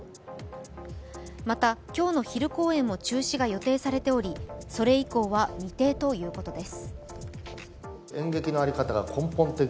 また今日の昼公演も中止が予定されておりそれ以降は未定ということです。